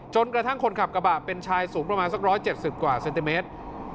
คนขับกระบะเป็นชายสูงประมาณสัก๑๗๐กว่าเซนติเมตร